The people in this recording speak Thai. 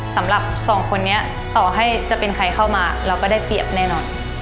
สำหรับสองคนนี้ต่อให้จะเป็นใครเข้ามาเราก็ได้เปรียบแน่นอน